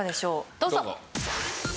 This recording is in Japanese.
どうぞ。